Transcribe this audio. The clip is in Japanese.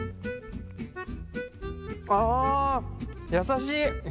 あ優しい。